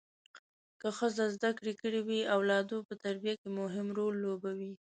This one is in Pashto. که ښځه زده کړې کړي وي اولادو په تربیه کې مهم رول لوبوي